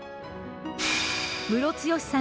ムロツヨシさん